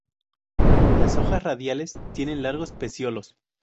Las hojas radicales tienen largos peciolos.